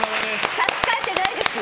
差し替えてないですよ。